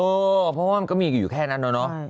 เพราะว่ามันก็มีอยู่แค่นั้นเนาะ